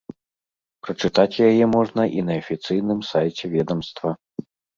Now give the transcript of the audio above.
Прачытаць яе можна і на афіцыйным сайце ведамства.